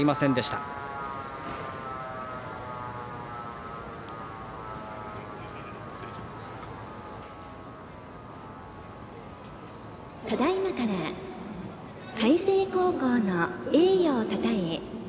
ただいまから海星高校の栄誉をたたえ